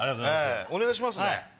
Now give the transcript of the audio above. お願いしますね。